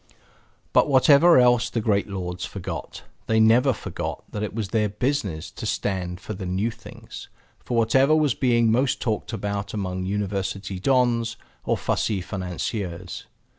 But whatever else the great lords forgot they never forgot that it was their business to stand for the new things, for whatever was being most talked about among university dons or fussy financiers.